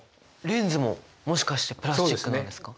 レンズももしかしてプラスチックなんですか？